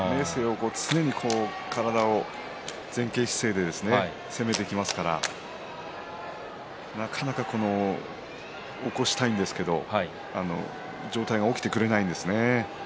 常に体を前傾姿勢で攻めてきますからなかなか起こしたいんですけど上体が起きてくれないんですね。